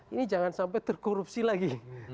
ini jangan sampai terkorupsi lagi